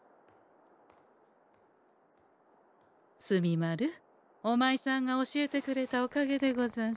墨丸お前さんが教えてくれたおかげでござんす。